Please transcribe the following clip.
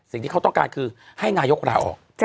สิ่งที่เขาต้องการคือให้นายกลาออก